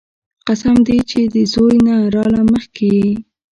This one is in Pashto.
قسم دې چې د زوى نه راله مخکې يې.